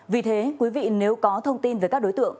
vì thế quý vị nếu có thông tin về các đối tượng